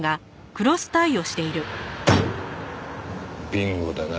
ビンゴだな。